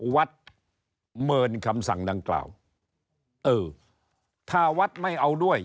วัดเมินคำสั่งดังกล่าวเออถ้าวัดไม่เอาด้วย